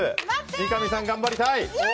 三上さん、頑張りたい。